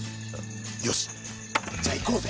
よしじゃ行こうぜ。